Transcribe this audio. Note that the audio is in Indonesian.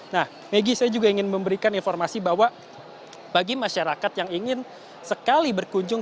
nah maggie saya juga ingin memberikan informasi bahwa bagi masyarakat yang ingin sekali berkunjung